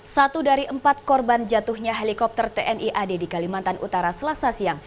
satu dari empat korban jatuhnya helikopter tni ad di kalimantan utara selasa siang